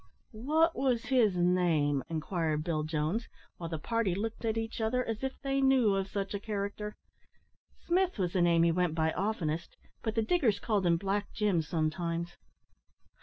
"Wot wos his name?" inquired Bill Jones, while the party looked at each other as if they knew of such a character. "Smith was the name he went by oftenest, but the diggers called him Black Jim sometimes."